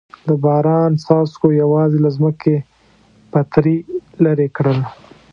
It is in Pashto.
د باران څاڅکو یوازې له ځمکې پتري لرې کړل.